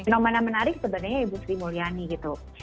nomor yang menarik sebenarnya ibu sri mulyani gitu